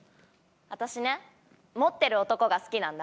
私ね持ってる男が好きなんだ。